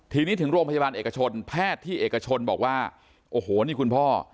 ทีนี้ถึงโรงพยาบาลเอกชนแพทย์ที่เอกชนบอกว่าโอ้โหนี่คุณพ่อ